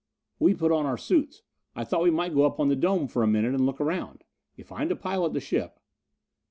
"We put on our suits. I thought we might go up on the dome for a minute and look around. If I'm to pilot the ship...."